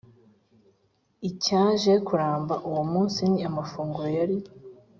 icyaje kuramba uwo munsi ni amafunguro yari